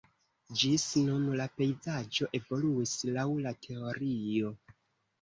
Ĝis nun la pejzaĝo evoluis laŭ la teorio.